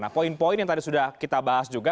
nah poin poin yang tadi sudah kita bahas juga